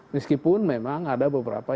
meskipun memang ada beberapa